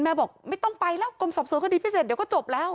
บอกไม่ต้องไปแล้วกรมสอบสวนคดีพิเศษเดี๋ยวก็จบแล้ว